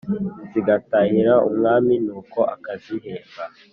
Zigatahira Umwami nuko akazihemba